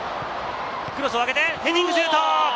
クロスを上げて、ヘディングシュート！